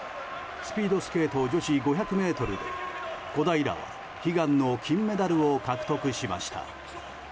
スピードスケート女子５００ｍで小平は悲願の金メダルを獲得しました。